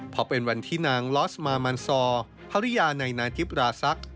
พอเป็นวันที่นางลอสมามันซอร์ภาริยาในนาจิปฤษักรณ์